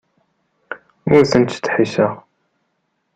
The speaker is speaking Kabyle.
Ur ten-ttdeḥḥiseɣ.